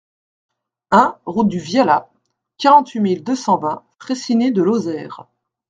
un route du Viala, quarante-huit mille deux cent vingt Fraissinet-de-Lozère